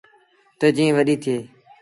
تا جين وڏيٚ ٿئي ۔